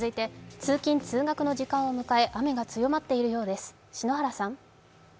通勤・通学の時間を迎え雨が強まっているようです。